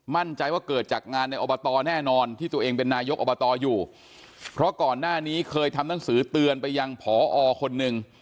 มั่นใจว่าเกิดจากงานในอบตแน่นอนที่ตัวเองเป็นนายกอบตอยู่เพราะก่อนหน้านี้เคยทำหนังสือเตือนไปยังพอคนหนึ่ง